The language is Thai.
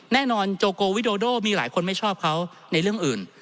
โจโกวิโดโดมีหลายคนไม่ชอบเขาในเรื่องอื่น